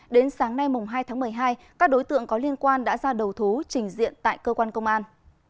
đến sáng nay hai tháng một mươi hai các đối tượng có liên quan đã ra đầu thú trình diện tại cơ quan công an